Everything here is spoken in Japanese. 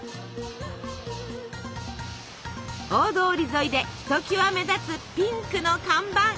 大通り沿いでひときわ目立つピンクの看板。